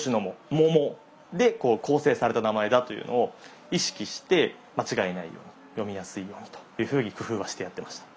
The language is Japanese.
「モモ」で構成された名前だというのを意識して間違えないように読みやすいようにというふうに工夫はしてやってました。